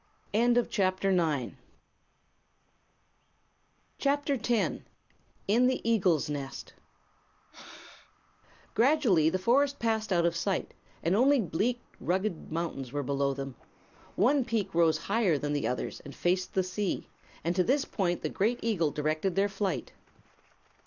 [CHAPTER X] In the Eagle's Nest Gradually the forest passed out of sight and only bleak, rugged mountains were below them. One peak rose higher than the others, and faced the sea, and to this point the great eagle directed their flight.